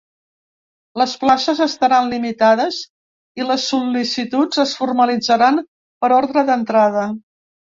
Les places estaran limitades i les sol·licituds es formalitzaran per ordre d’entrada.